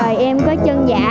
rồi em có chân giả